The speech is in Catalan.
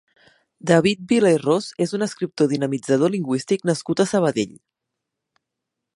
David Vila i Ros és un escriptor i dinamitzador lingüístic nascut a Sabadell.